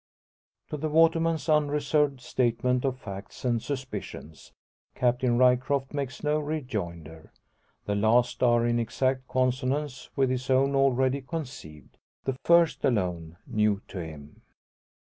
To the waterman's unreserved statement of facts and suspicions, Captain Ryecroft makes no rejoinder. The last are in exact consonance with his own already conceived, the first alone new to him.